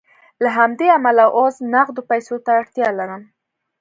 له همدې امله اوس نغدو پیسو ته اړتیا لرم